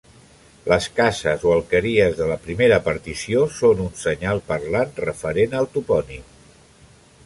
Les cases o alqueries de la primera partició són un senyal parlant referent al topònim.